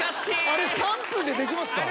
あれ３分でできますか？